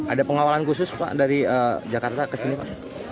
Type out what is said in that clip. ada pengawalan khusus pak dari jakarta ke sini pak